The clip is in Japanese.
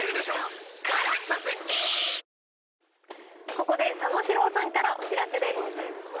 ここで佐野史郎さんからお知らせです。